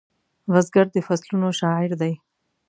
بزګر د فصلونو شاعر دی